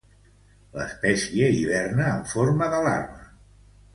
L'espècie hiberna en forma de larva.